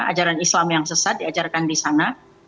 ajaran islam yang sesat diajarkan di sana